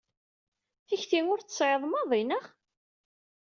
Tikti ur tt-tesɛiḍ maḍi, neɣ?